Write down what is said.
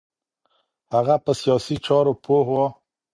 هغه په سیاسی چارو پوه و